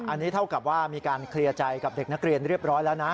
อันนี้เท่ากับว่ามีการเคลียร์ใจกับเด็กนักเรียนเรียบร้อยแล้วนะ